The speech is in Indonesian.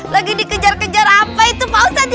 lagi dikejar kejar apa itu pausah